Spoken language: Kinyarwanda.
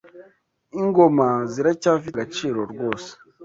ingoma ziracyafite agaciro rwose,